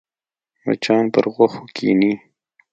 مچان پر غوښو کښېني